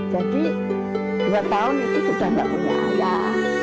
jadi dua tahun itu sudah tidak punya ayah